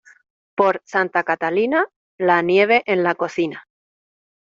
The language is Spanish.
Por Santa Catalina, la nieve en la cocina.